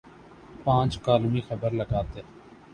پانچ کالمی خبر لگاتے۔